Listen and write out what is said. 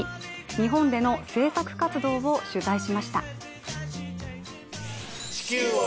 日本での制作活動を取材しました。